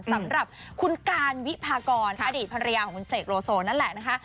สำหรับคุณการวิพากรอดีตภรรยาของคุณเสกโลโซนั่นแหละนะคะ